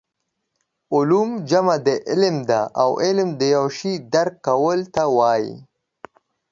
علوم جمع د علم ده او علم د یو شي درک کولو ته وايي